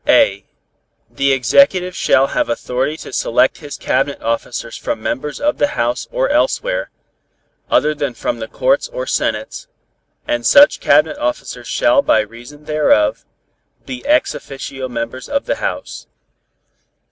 (a) The Executive shall have authority to select his Cabinet Officers from members of the House or elsewhere, other than from the Courts or Senates, and such Cabinet Officers shall by reason thereof, be ex officio members of the House.